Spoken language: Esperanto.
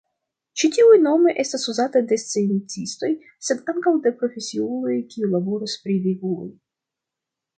Ĉi-tiuj nomoj estas uzataj de sciencistoj sed ankaŭ de profesiuloj kiuj laboras pri vivuloj.